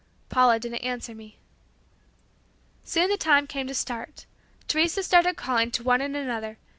Paula didn't answer me. Soon the time came to start. Teresa started calling to one and another.